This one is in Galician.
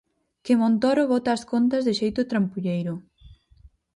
Que Montoro bota as contas de xeito trampulleiro.